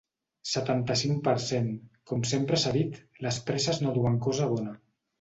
Setanta-cinc per cent Com sempre s’ha dit, les presses no duen cosa bona.